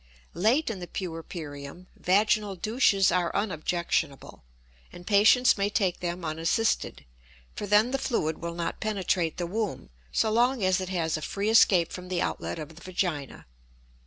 Late in the puerperium vaginal douches are unobjectionable, and patients may take them unassisted, for then the fluid will not penetrate the womb so long as it has a free escape from the outlet of the vagina.